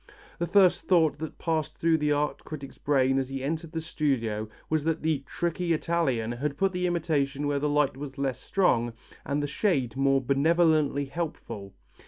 The first thought that passed through the art critic's brain as he entered the studio was that the "tricky Italian" had put the imitation where the light was less strong and the shade more benevolently helpful.